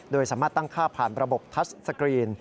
โดยสามารถตั้งค่าผ่านระบบทัศกรีน